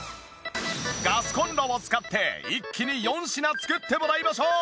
ガスコンロを使って一気に４品作ってもらいましょう！